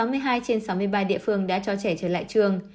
sáu mươi hai trên sáu mươi ba địa phương đã cho trẻ trở lại trường